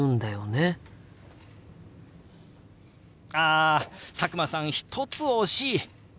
あ佐久間さん１つ惜しい！